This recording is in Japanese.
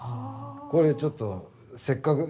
これちょっとせっかく。